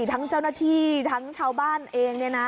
ทั้งเจ้าหน้าที่ทั้งชาวบ้านเองเนี่ยนะ